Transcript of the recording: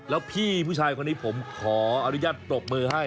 แล้วพี่ผู้ชายคนนี้ผมขออนุญาตปรบมือให้